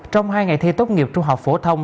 trong hai ngày thi tốt nghiệp trung học phổ thông